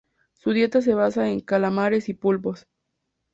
Su dieta se basa en calamares y pulpos.